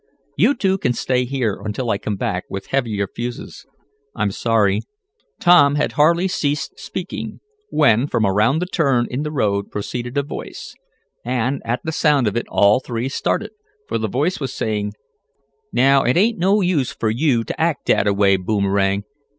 You two can stay here until I come back with heavier fuses. I'm sorry." Tom had hardly ceased speaking, when, from around the turn in the road proceeded a voice, and, at the sound of it all three started, for the voice was saying: "Now it ain't no use fer yo' to act dat a way, Boomerang.